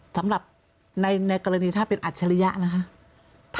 สำหรับในกรณีถ้าเป็นอัจฉริยะนะคะ